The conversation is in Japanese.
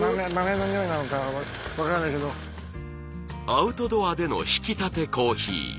アウトドアでのひきたてコーヒー。